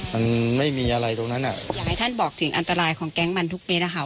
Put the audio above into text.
มันไม่มีอะไรตรงนั้นอ่ะอยากให้ท่านบอกถึงอันตรายของแก๊งมันทุกเม็ดนะคะ